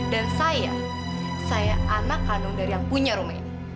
dan saya saya anak kandung dari yang punya rumah ini